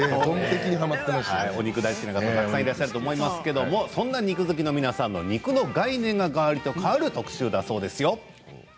お肉大好きな方たくさんいらっしゃると思いますがそんな肉好きの皆さんの肉の概念が、がらりと変わる特集だそうですよ。